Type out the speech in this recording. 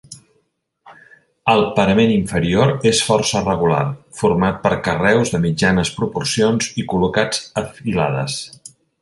El parament inferior és força regular, format per carreus de mitjanes proporcions i col·locats afilades.